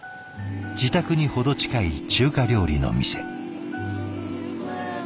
自宅に程近い中華料理の店。